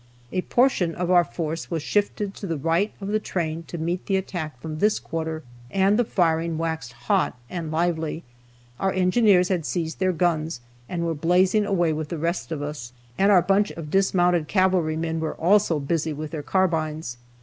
A portion of our force was shifted to the right of the train to meet the attack from this quarter, and the firing waxed hot and lively. Our engineers had seized their guns, and were blazing away with the rest of us, and our bunch of dismounted cavalry men were also busy with their carbines.